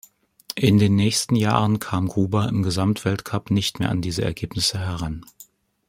In den nächsten Jahren kam Gruber im Gesamtweltcup nicht mehr an diese Ergebnisse heran.